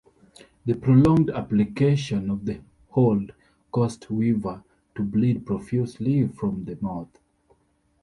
The prolonged application of the hold caused Weaver to bleed profusely from the mouth.